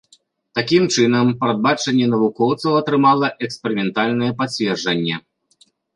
Такім чынам, прадбачанне навукоўцаў атрымала эксперыментальнае пацверджанне.